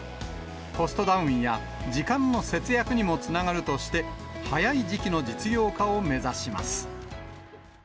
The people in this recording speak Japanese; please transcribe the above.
コストダウンや時間の節約にもつながるとして、早い時期の実用化を目指します。